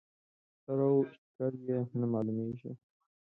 سر و ښکر یې نه معلومېږي.